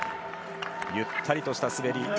ゆったりとした滑り。